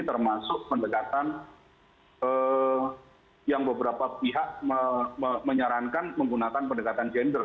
termasuk pendekatan yang beberapa pihak menyarankan menggunakan pendekatan gender